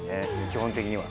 基本的には。